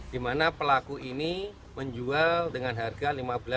di mana pelaku ini menjual dengan harga lima belas